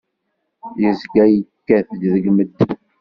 Yezga yekkat-d deg medden.